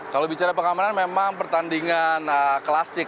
kalau bicara pengamanan memang pertandingan klasik